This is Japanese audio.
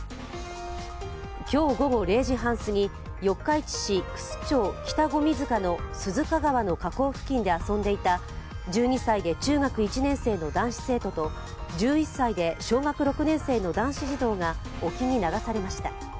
今日午後０時半すぎ四日市市楠町北五味塚の鈴鹿川の河口付近で遊んでいた１２歳で中学１年生の男子生徒と１１歳で小学６年生の男子児童が沖に流されました。